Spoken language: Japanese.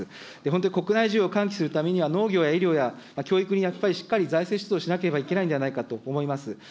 本当に国内需要を喚起するためには、農業や医療や教育にやっぱりしっかり財政出動をしなければいけないんではないかと思います。